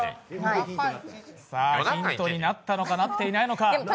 さあ、ヒントになったのか、なっていないのか。